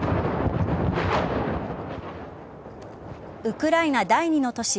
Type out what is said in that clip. ウクライナ第２の都市